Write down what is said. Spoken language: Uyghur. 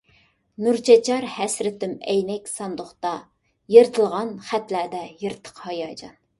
نۇر چاچار ھەسرىتىم ئەينەك ساندۇقتا، يىرتىلغان خەتلەردە يىرتىق ھاياجان.